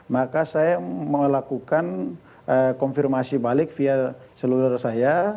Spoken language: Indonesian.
maka saya melakukan konfirmasi balik vial seluruh saya